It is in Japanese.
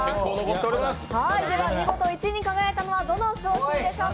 見事１位に輝いたのはどの商品でしょうか？